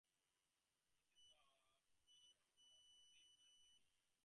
There is a population of about the same size living in the surrounding villages.